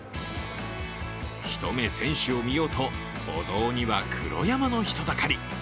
一目、選手を見ようと歩道には黒山の人だかり。